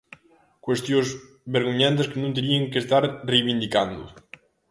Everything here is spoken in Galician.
Cuestións vergoñentas que non terían que estar reivindicando.